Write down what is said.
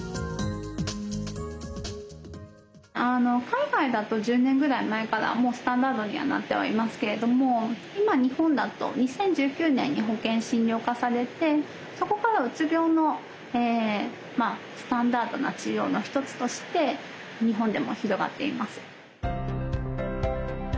海外だと１０年ぐらい前からスタンダードにはなっていますけれども今日本だと２０１９年に保険診療化されてそこからうつ病のスタンダードな治療の一つとして日本でも広まっています。